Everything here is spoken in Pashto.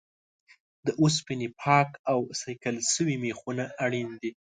د اوسپنې پاک او صیقل شوي میخونه اړین دي.